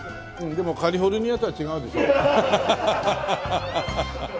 でもカリフォルニアとは違うでしょ。